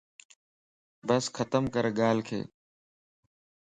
بس ختم ڪر ڳالھک